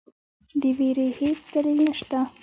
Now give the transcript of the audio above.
د وېرې هیڅ دلیل نسته.